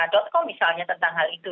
com misalnya tentang hal itu